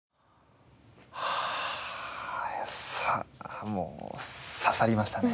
はあもう刺さりましたね。